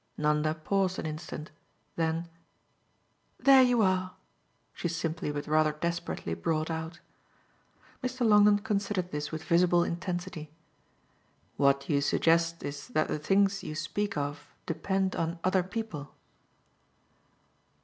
Nanda paused an instant; then "There you are!" she simply but rather desperately brought out. Mr. Longdon considered this with visible intensity. "What you suggest is that the things you speak of depend on other people?"